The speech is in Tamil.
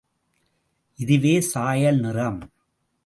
இதுவே சாயல் நிறம்.